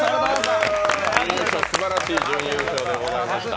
すばらしい準優勝でございました。